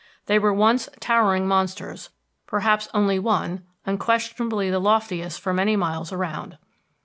They were once towering monsters, perhaps only one, unquestionably the loftiest for many miles around.